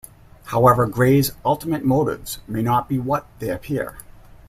However, Grey's ultimate motives may not be what they appear.